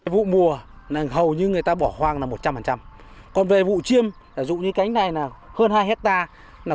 vụ mùa hầu như người ta bỏ hoang là một trăm linh còn về vụ chiêm dụ như cánh này là hơn hai hectare